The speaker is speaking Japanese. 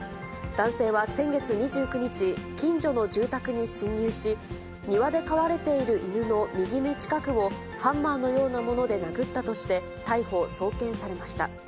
男性は先月２９日、近所の住宅に侵入し、庭で飼われている犬の右目近くを、ハンマーのようなもので殴ったとして、逮捕・送検されました。